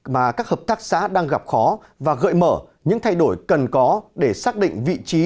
mà các hợp tác xã đang gặp khó và gợi mở những thay đổi cần có để xác định vị trí